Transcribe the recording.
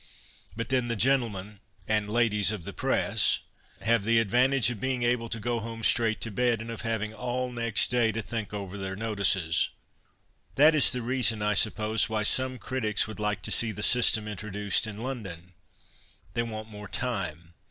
But then the gentlemen (and ladies) of the Press have the advantage of being able to go home straight to bed, and of having all next day to think over their " notices." That is the reason, I suppose, why some critics would like to see the system introduced in London. They want more time.